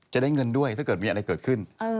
จะได้เงินด้วยถ้าเกิดมีอะไรเกิดขึ้น